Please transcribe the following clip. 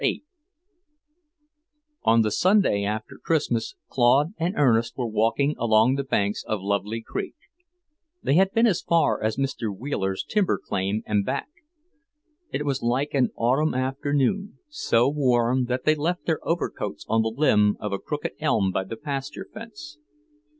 VIII On the Sunday after Christmas Claude and Ernest were walking along the banks of Lovely Creek. They had been as far as Mr. Wheeler's timber claim and back. It was like an autumn afternoon, so warm that they left their overcoats on the limb of a crooked elm by the pasture fence.